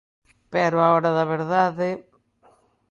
Pero á hora da verdade...